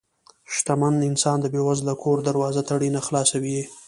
شتمن انسان د بې وزله کور دروازه تړي نه، خلاصوي یې.